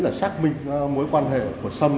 là xác minh mối quan hệ của sâm